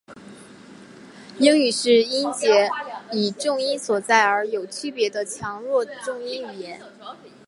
英语是音节以重音所在而有区别的强弱重音语言。